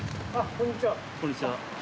こんにちは。